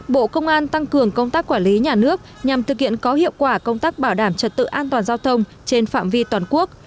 bộ công an tăng cường công tác quản lý nhà nước nhằm thực hiện có hiệu quả công tác bảo đảm trật tự an toàn giao thông trên phạm vi toàn quốc